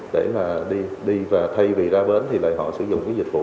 để mà đi và thay vì ra bến thì lại họ sử dụng cái dịch vụ